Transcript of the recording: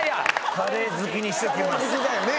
カレー好きにしておきます。